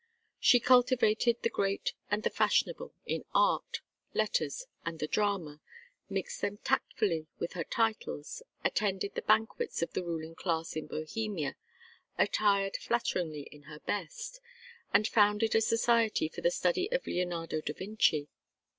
She cultivated the great and the fashionable in art, letters, and the drama, mixed them tactfully with her titles, attended the banquets of the ruling class in Bohemia attired flatteringly in her best, and founded a society for the study of Leonardo da Vinci.